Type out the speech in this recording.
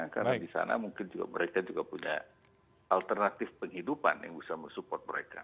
karena di sana mungkin mereka juga punya alternatif penghidupan yang bisa mensupport mereka